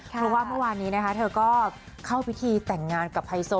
เพราะว่าเมื่อวานนี้นะคะเธอก็เข้าพิธีแต่งงานกับไฮโซ